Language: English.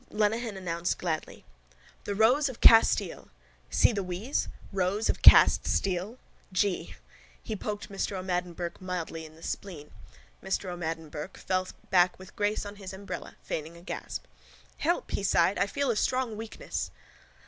Lenehan announced gladly: —The Rose of Castile. See the wheeze? Rows of cast steel. Gee! He poked Mr O'Madden Burke mildly in the spleen. Mr O'Madden Burke fell back with grace on his umbrella, feigning a gasp. —Help! he sighed. I feel a strong weakness.